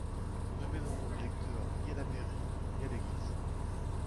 Nous ne mènerons le lecteur ni à la mairie ni à l’église.